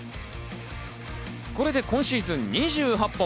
これで今シーズン２８本。